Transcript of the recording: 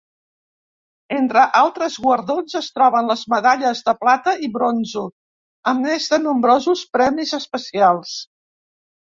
Entre altres guardons es troben les medalles de plata i bronzo, a més de nombrosos premis especials.